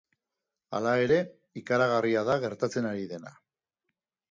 Hala ere, ikaragarria da gertatzen ari dena.